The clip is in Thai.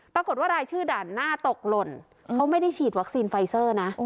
ปรากฏว่ารายชื่อด่านหน้าตกหล่นเขาไม่ได้ฉีดวัคซีนไฟเซอร์นะ